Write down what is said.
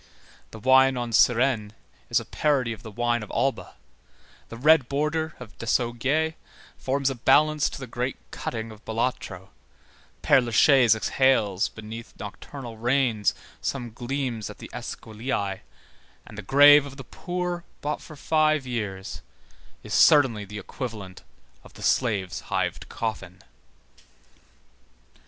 _ The wine on Surêne is a parody of the wine of Alba, the red border of Desaugiers forms a balance to the great cutting of Balatro, Père Lachaise exhales beneath nocturnal rains the same gleams as the Esquiliæ, and the grave of the poor bought for five years, is certainly the equivalent of the slave's hived coffin.